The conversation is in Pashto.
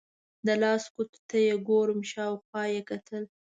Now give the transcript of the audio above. د لاس ګوتو ته یې ګورم، شاوخوا یې وکتل.